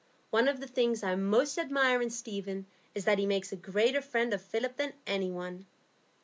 "One of the things I most admire in Stephen is that he makes a greater friend of Philip than any one."